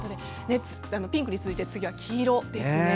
ピンクに続いて次は黄色ですね。